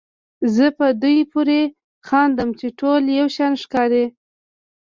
زه په دوی پورې خاندم چې ټول یو شان ښکاري.